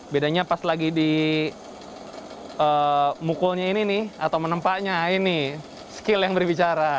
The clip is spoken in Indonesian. bedanya pas lagi di mukulnya ini nih atau menempaknya ini skill yang berbicara